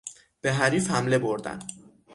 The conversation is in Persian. به حریف حمله بردن